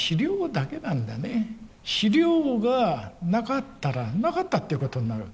資料がなかったらなかったっていうことになる。